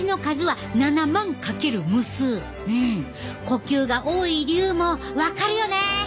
呼吸が多い理由も分かるよね。